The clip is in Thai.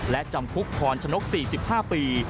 และจำคุกพรชนก๔๕ปี